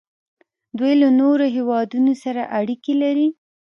دوی له نورو هیوادونو سره اړیکې لري.